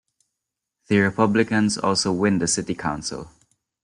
The Republicans also win the City Council.